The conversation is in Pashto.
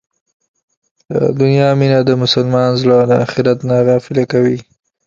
د دنیا مینه د مسلمان زړه له اخرت نه غافله کوي.